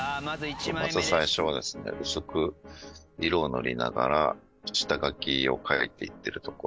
まず最初はですね薄く色を塗りながら下書きを描いていってるところ。